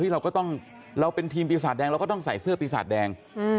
เราก็ต้องเราเป็นทีมปีศาจแดงเราก็ต้องใส่เสื้อปีศาจแดง